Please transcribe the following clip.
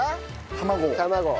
卵。